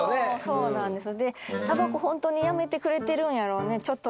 そうなんですよ。